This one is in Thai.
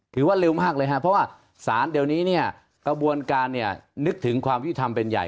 ถือว่าเร็วมากเลยครับเพราะว่าสารเดี๋ยวนี้เนี่ยกระบวนการเนี่ยนึกถึงความยุติธรรมเป็นใหญ่